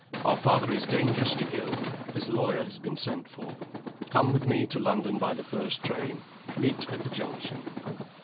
Our father is dangerously ill his lawyer has been sent for. Come with me to London by the first train. Meet at the junction."